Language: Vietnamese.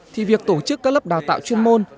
thì việc tổ chức các lớp đào tạo chuyên môn